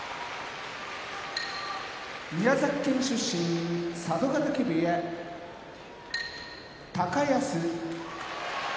宮崎県出身佐渡ヶ嶽部屋高安